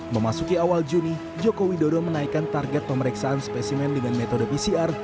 memasuki awal juni joko widodo menaikkan target pemeriksaan spesimen dengan metode pcr